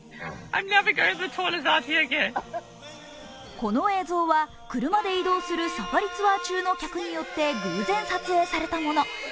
この映像は車で移動するサファリツアー中の客によって偶然、撮影されたもの。